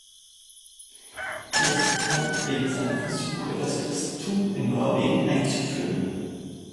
Er ist bekannt wegen seiner Versuche, das Christentum in Norwegen einzuführen.